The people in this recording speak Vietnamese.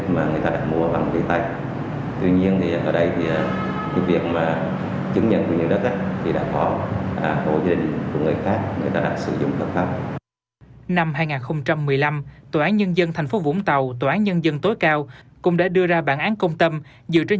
cũng đã đưa ra bản án công tâm dựa trên nhiều văn bản yêu cầu người dân tự xây dựng